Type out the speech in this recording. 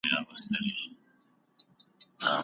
پلار او مور یې په قاضي باندي نازېږي